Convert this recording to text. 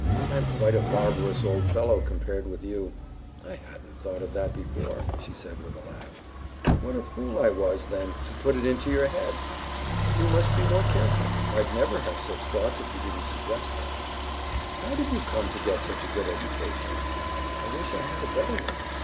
I'm quite a barbarous old fellow compared with you." "I hadn't thought of that before," she said with a laugh. "What a fool I was, then, to put it into your head!" "You must be more careful. I'd never have such thoughts if you didn't suggest them." "How did you come to get such a good education?" "I wish I had a better one.